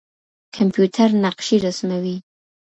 کمپيوټر نقشې رسموي.